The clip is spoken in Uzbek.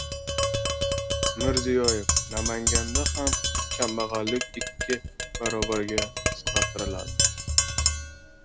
Mirziyoyev: "Namanganda ham kambag‘allik ikki barobarga qisqartiriladi"